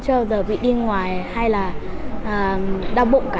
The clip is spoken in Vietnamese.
chưa con chưa bao giờ bị đi ngoài hay là đau bụng cả